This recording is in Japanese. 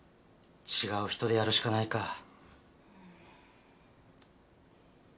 違う人でやるしかないか。